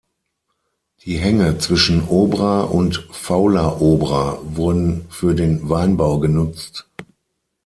Die Hänge zwischen Obra und Fauler Obra wurden für den Weinbau genutzt.